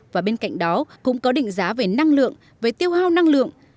và bên cạnh đó cũng có định giá về năng lượng về tiêu hao năng lượng